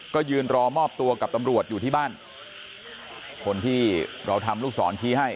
ก็ยืนรอมอบตัวกับตำรวจอยู่ที่บ้านคนที่เราทำลูกศรชี้ให้